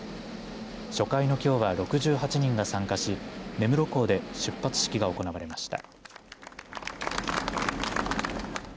初回のきょうは６８人が参加し根室港で出発式が行われました。